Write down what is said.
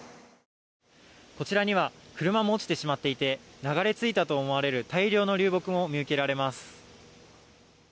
こちらには車も落ちてしまっていて流れ着いたと思われる大量の流木も見受けられます。